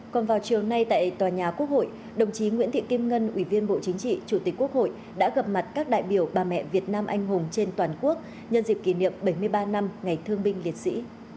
còn vào chiều nay tại tòa nhà quốc hội đồng chí nguyễn thị kim ngân ủy viên bộ chính trị chủ tịch quốc hội đã gặp mặt các đại biểu bà mẹ việt nam anh hùng trên toàn quốc nhân dịp kỷ niệm bảy mươi ba năm ngày thương binh liệt sĩ